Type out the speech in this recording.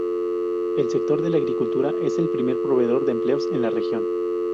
El sector de la agricultura es el primer proveedor de empleos en la región.